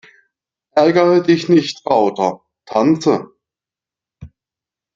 Ärgere dich nicht, Rauter, tanze!